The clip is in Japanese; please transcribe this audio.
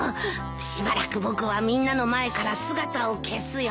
しばらく僕はみんなの前から姿を消すよ。